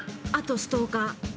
あとストーカー。